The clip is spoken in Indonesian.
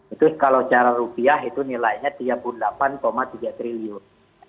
itu kalau cara rupiah itu nilainya tiga puluh delapan tiga triliun